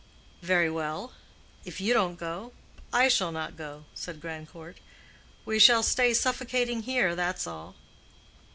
"Very well; if you don't go, I shall not go," said Grandcourt. "We shall stay suffocating here, that's all."